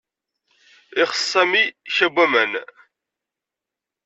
Ixes Sami ka n waman.